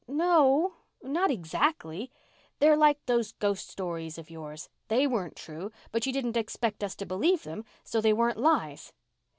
"No—not exactly. They're like those ghost stories of yours. They weren't true—but you didn't expect us to believe them, so they weren't lies."